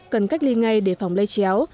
cần cách ly ngay để phòng lây chéo